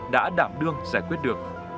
đã đảm đương giải quyết được